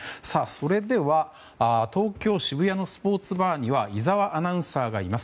それでは東京・渋谷のスポーツバーには井澤アナウンサーがいます。